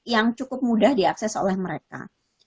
yang cukup mudah diakses oleh mereka